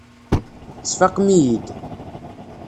Tesfaqem-iyi-id.